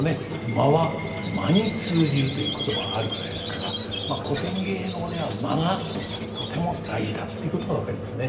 「間は魔に通じる」という言葉があるくらいですから古典芸能では間がとても大事だっていうことが分かりますね。